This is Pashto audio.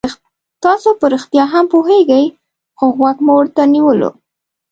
تاسو په رښتیا هم پوهېږئ خو غوږ مو ورته نیولی.